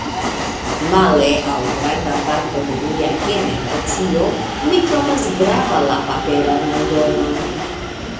Male al granda parto de mia generacio, mi trovas grava la paperan eldonon.